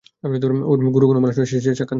গুরু কোনো মানুষ নয়, সে সাক্ষাত নরপিশাচ!